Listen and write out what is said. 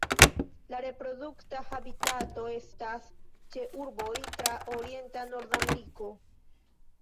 La reprodukta habitato estas ĉe urboj tra orienta Nordameriko.